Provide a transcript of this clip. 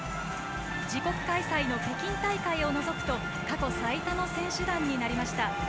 自国開催の北京大会を除くと過去最多の選手団になりました。